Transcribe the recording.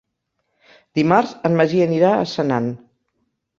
Dimarts en Magí anirà a Senan.